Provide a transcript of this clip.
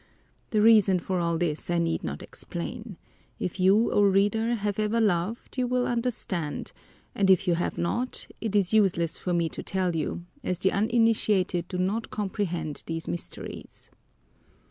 The reason for all this I need not explain; if you, O reader, have ever loved, you will understand; and if you have not, it is useless for me to tell you, as the uninitiated do not comprehend these mysteries.